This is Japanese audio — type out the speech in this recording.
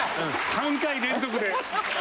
３回連続で。